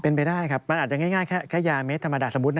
เป็นไปได้ครับมันอาจจะง่ายแค่ยาเมตรธรรมดาสมมุตินะ